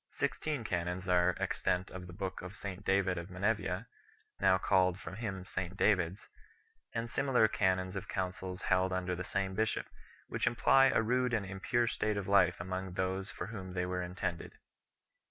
Sixteen canons are extant of the book of St David of Menevia 3 now called from him St David s and similar canons of councils held tinder the same bishop, which imply a rude and impure state of life among those for whom the} were intended.